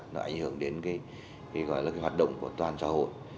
nó ảnh hưởng đến cái gọi là cái hoạt động của toàn xã hội